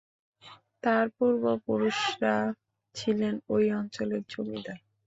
তার পূর্বপুরুষরা ছিলেন ঐ অঞ্চলের জমিদার।